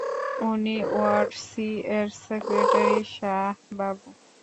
উনি ward C এর secretary, Shah বাবু।